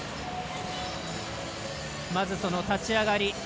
まず、立ち上がり。